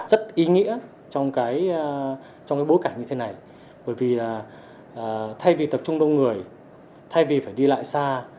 rất ý nghĩa trong cái trong cái bối cảnh như thế này bởi vì là thay vì tập trung đông người thay vì phải đi lại xa